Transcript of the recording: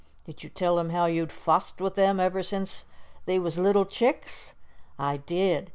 "Did you tell him how you'd fussed with them ever since they was little chicks?" "I did.